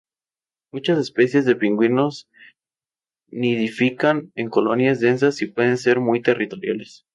Muchas especies de pingüinos nidifican en colonias densas y pueden ser muy territoriales.